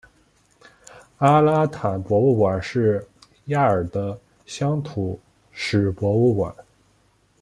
阿拉坦博物馆是亚尔的乡土史博物馆。